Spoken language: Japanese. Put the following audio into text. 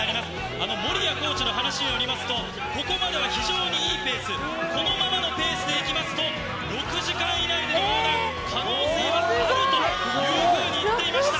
あのもりやコーチの話によりますと、ここまでは非常にいいペース、このままのペースでいきますと、６時間以内での横断、可能性はあるというふうに言っていました。